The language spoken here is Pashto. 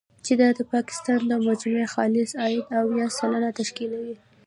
چې دا د پاکستان د مجموعي خالص عاید، اویا سلنه تشکیلوي.